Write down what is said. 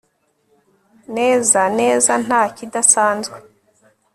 neza neza nta kidasanzwe